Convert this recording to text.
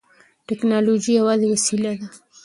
ټیکنالوژي یوازې وسیله ده.